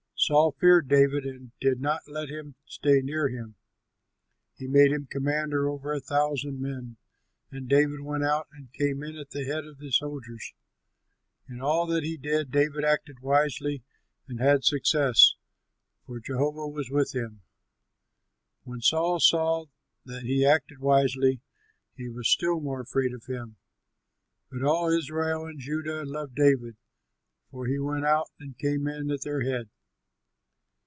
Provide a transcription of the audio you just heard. Saul feared David and did not let him stay near him. He made him commander over a thousand men; and David went out and came in at the head of the soldiers. In all that he did David acted wisely and had success, for Jehovah was with him. When Saul saw that he acted wisely, he was still more afraid of him. But all Israel and Judah loved David, for he went out and came in at their head.